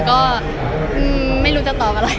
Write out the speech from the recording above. ก็ไม่รู้จะตอบอะไร